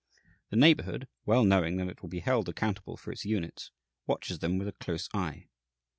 The neighbourhood, well knowing that it will be held accountable for its units, watches them with a close eye.